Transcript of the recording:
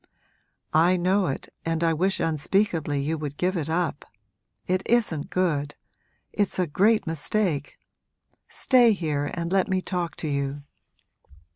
'I know it, and I wish unspeakably you would give it up it isn't good it's a great mistake. Stay here and let me talk to you.'